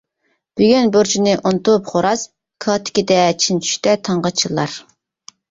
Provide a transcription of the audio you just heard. بۈگۈن بۇرچىنى ئۇنتۇپ خوراز، كاتىكىدە چىن چۈشتە تاڭغا چىللار.